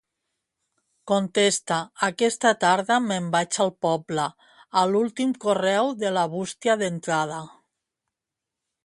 Contesta "aquesta tarda me'n vaig al poble" a l'últim correu de la bústia d'entrada.